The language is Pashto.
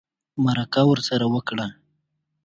مرکه ورسره وکړه